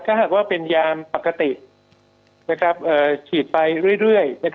ถ้าหากว่าเป็นยามปกติฉีดไปเรื่อย